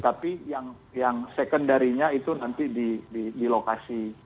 tetapi yang sekendarinya itu nanti di lokasi